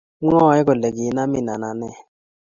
mau kole kinamin anan nee